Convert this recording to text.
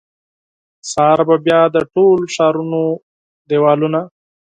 سهار به بیا د ټول ښارونو دیوالونه،